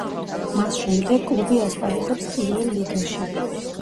მას შემდეგ კლუბი ასპარეზობს პირველ ლიგაში.